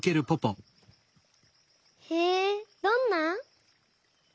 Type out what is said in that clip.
へえどんな？